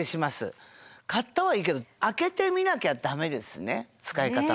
買ったはいいけど開けてみなきゃ駄目ですね使い方を。